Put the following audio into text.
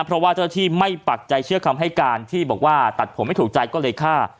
เพราะว่าเจ้าหน้าที่ไม่ปักใจเชื่อคำให้การที่บอกว่าตัดผมไม่ถูกใจก็เลยฆ่า